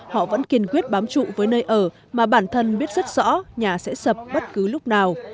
họ vẫn kiên quyết bám trụ với nơi ở mà bản thân biết rất rõ nhà sẽ sập bất cứ lúc nào